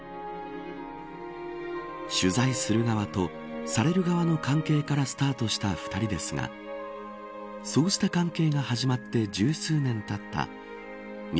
取材する側とされる側の関係からスタートした２人ですがそうした関係が始まって十数年たった